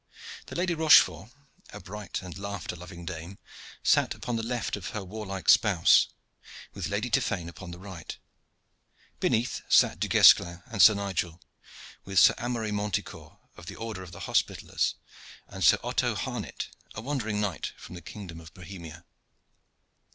The Lady Rochefort, a bright and laughter loving dame, sat upon the left of her warlike spouse, with Lady Tiphaine upon the right. Beneath sat Du Guesclin and Sir Nigel, with Sir Amory Monticourt, of the order of the Hospitallers, and Sir Otto Harnit, a wandering knight from the kingdom of Bohemia.